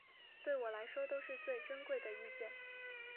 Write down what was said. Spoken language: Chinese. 对我来说都是最珍贵的意见